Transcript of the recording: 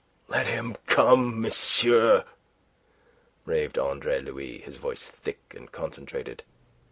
"Let him come, monsieur," raved Andre Louis, his voice thick and concentrated.